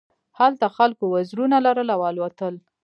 هلته خلکو وزرونه لرل او الوتل.